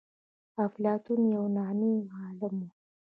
افلاطون يو يوناني عالم و.